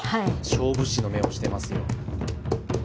勝負師の目をしてますよ。